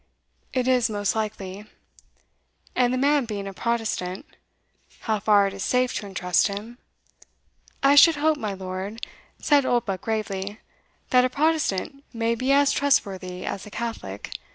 "It is most likely; and the man being a Protestant how far it is safe to entrust him" "I should hope, my lord," said Oldbuck gravely, "that a Protestant may be as trustworthy as a Catholic.